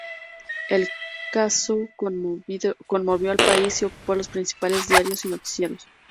El caso conmovió al país y ocupó los principales diarios y noticieros.